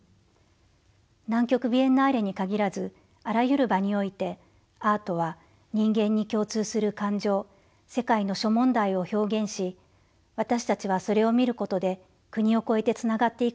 南極ビエンナーレに限らずあらゆる場においてアートは人間に共通する感情世界の諸問題を表現し私たちはそれを見ることで国を越えてつながっていくことができます。